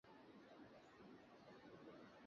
আপনি আধ্যাত্মিক বই পড়েন?